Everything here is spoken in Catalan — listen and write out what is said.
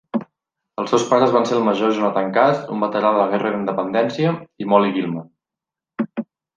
Els seus pares van ser el Major Jonathan Cass, un veterà de la Guerra de la Independència, i Molly Gilman.